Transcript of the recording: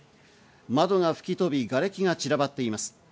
窓が吹き飛び、がれきが散らばっています。